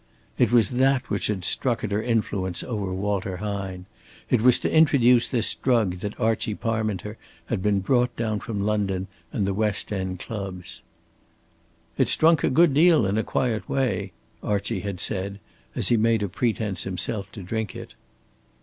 It was that which had struck at her influence over Walter Hine. It was to introduce this drug that Archie Parminter had been brought down from London and the West End clubs. "It's drunk a good deal in a quiet way," Archie had said, as he made a pretence himself to drink it.